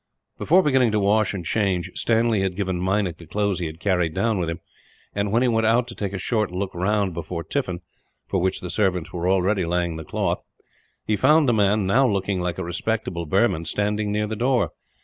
Before beginning to wash and change, Stanley had given Meinik the clothes he had carried down with him; and when he went out to take a short look round before tiffin for which the servants were already laying the cloth he found the man, now looking like a respectable Burman, standing near the door.